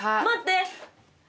待って！